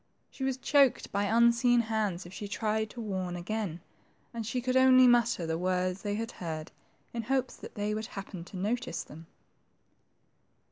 She was choked by unseen hands if she tried to warn again, and she could only mutter the words they heard, in hopes they would happen to notice them.